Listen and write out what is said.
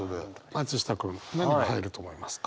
松下君何が入ると思いますか？